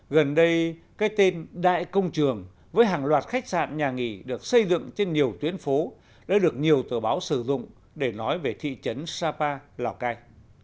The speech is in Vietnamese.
gần đây cái tên đại công trường với hàng loạt khách sạn nhà nghỉ được xây dựng trên nhiều tuyến phố đã được nhiều tờ báo sử dụng để nói về thị trấn sapa lào cai